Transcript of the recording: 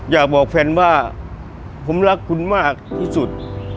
อยากบอกแฟนว่าผมรักคุณมากที่สุด